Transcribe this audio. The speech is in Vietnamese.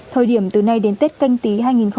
thời điểm từ nay đến tết canh tí